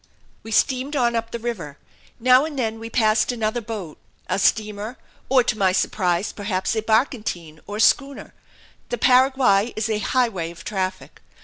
We steamed on up the river. Now and then we passed another boat a steamer, or, to my surprise, perhaps a barkentine or schooner. The Paraguay is a highway of traffic.